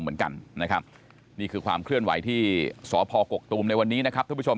เหมือนกันนะครับนี่คือความเคลื่อนไหวที่สพกกตูมในวันนี้นะครับท่านผู้ชม